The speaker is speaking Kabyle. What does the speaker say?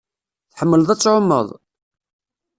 Tḥemmleḍ ad tɛumeḍ?